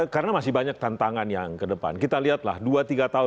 karena masih banyak tantangan yang kedepan kita lihat lah dua tiga tahun